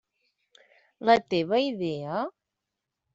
La teva idea?